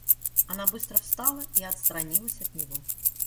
Она быстро встала и отстранилась от него.